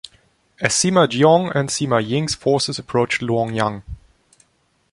As Sima Jiong and Sima Ying's forces approached Luoyang.